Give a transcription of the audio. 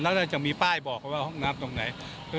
แล้วเราจะมีป้ายบอกเขาว่าห้องน้ำตรงไหน